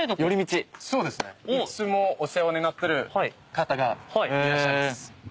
いつもお世話になってる方がいらっしゃいます。